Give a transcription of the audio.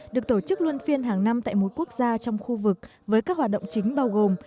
được tổ chức luân phiên hàng năm tại một quốc gia trong khu vực với các hoạt động chính bao gồm